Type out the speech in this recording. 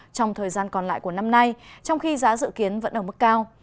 trong thời gian còn lại của năm nay trong khi giá dự kiến vẫn ở mức cao